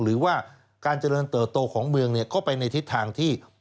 หรือว่าการเจริญเติบโตของเมืองก็ไปในทิศทางที่